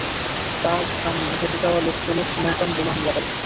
তার সামনে হেঁটে যাওয়া লোকগুলো শ্রীলংকান বোমা হামলাকারী।